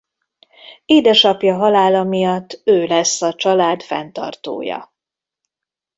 Édesapja halála miatt ő lesz a család fenntartója.